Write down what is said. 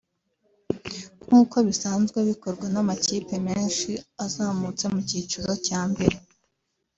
nk’uko bisanzwe bikorwa n’amakipe menshi azamutse mu cyiciro cya mbere